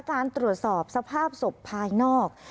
การตรวจสอบสภาพศพภายนอก